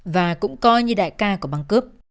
và cũng coi như đại ca của băng cướp